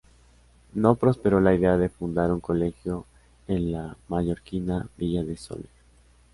No prosperó la idea de fundar un colegio en la mallorquina villa de Sóller.